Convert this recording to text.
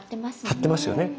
張ってますね。